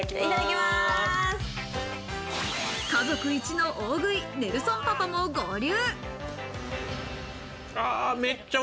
家族一の大食い、ネルソンパパも合流。